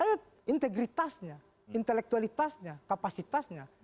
itu integritasnya intelektualitasnya kapasitasnya